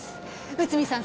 内海さん